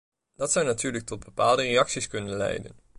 Dit zou natuurlijk tot bepaalde reacties kunnen leiden.